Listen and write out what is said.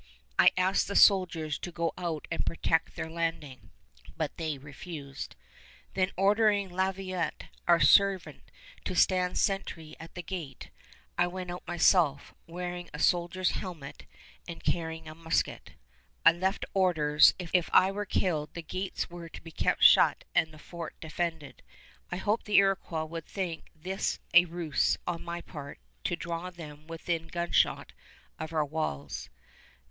I asked the soldiers to go out and protect their landing, but they refused. Then ordering Laviolette, our servant, to stand sentry at the gate, I went out myself, wearing a soldier's helmet and carrying a musket. I left orders if I were killed the gates were to be kept shut and the fort defended. I hoped the Iroquois would think this a ruse on my part to draw them within gunshot of our walls.